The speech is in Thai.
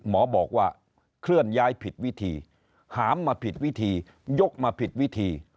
หมอบอกว่าเคลื่อนย้ายผิดวิธีหามมาผิดวิธียกมาผิดวิธี